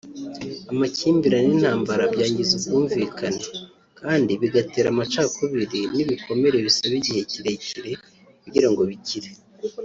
amakimbirane n’intambara byangiza ubwumvikane kandi bigatera amacakubiri n’ibikomere bisaba igihe kirekire kugira ngo bikire